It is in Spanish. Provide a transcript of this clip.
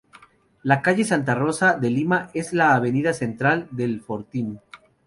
La calle Santa Rosa de Lima es la Avenida Central de El Fortín.